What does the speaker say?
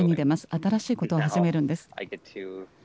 新しいことを始めるんです。